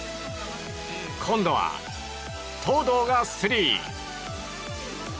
今度は東藤がスリー！